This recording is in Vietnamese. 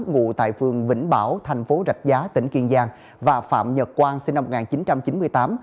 ngụ tại phường vĩnh bảo thành phố rạch giá tỉnh kiên giang và phạm nhật quang sinh năm một nghìn chín trăm chín mươi tám